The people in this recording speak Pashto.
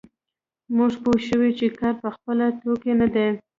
موږ پوه شوو چې کار په خپله توکی نه دی